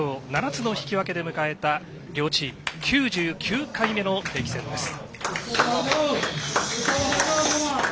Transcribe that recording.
７つの引き分けで迎えた両チーム、９９回目の定期戦です。